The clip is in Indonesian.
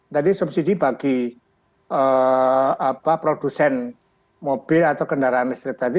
tadi subsidi bagi produsen mobil atau kendaraan listrik tadi